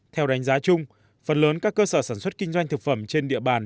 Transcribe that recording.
theo đánh giá chung phần lớn các cơ sở sản xuất kinh doanh thực phẩm trên địa bàn